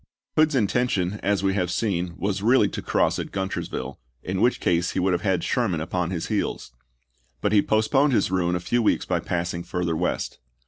Hood's intention, as we have seen, was really to cross at Guntersville, in which case he would have had Sherman upon his heels ; but he postponed his ruin a few weeks by passing further west.